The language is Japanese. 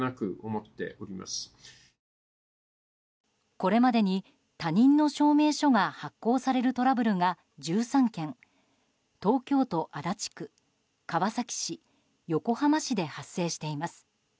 これまでに他人の証明書が発行されるトラブルが１３件東京都足立区、川崎市、横浜市で発生しています。